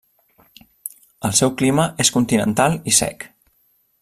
El seu clima és continental i sec.